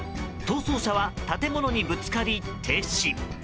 逃走車は建物にぶつかり停止。